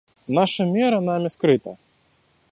Наша мера нами скрыта.